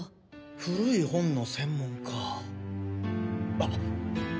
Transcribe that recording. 古い本の専門家あっ。